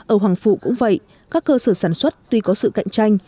ở hoàng phụ cũng vậy các cơ sở sản xuất tuy có sự cạnh tranh